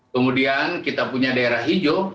kemudian kita punya daerah hijau